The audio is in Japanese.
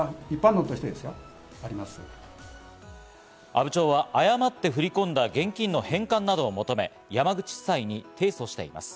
阿武町は誤って振り込んだ現金の返還などを求め山口地裁に提訴しています。